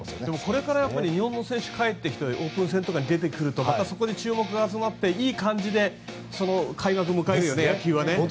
これから日本の選手が帰ってきてオープン戦とかに出てくると注目が集まっていい感じで開幕を迎えるよね、野球は。